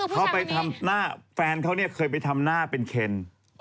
เขาไปทำหน้าแฟนเขาเนี่ยเคยไปทำหน้าเป็นเคน